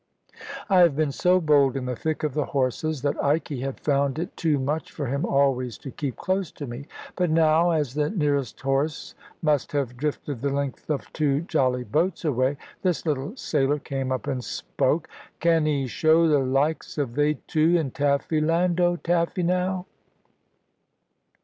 I had been so bold in the thick of the horses, that Ikey had found it too much for him always to keep close to me; but now, as the nearest horse must have drifted the length of two jolly boats away, this little sailor came up and spoke. "Can 'e show the laikes of they two, in Taffy land, old Taffy now?"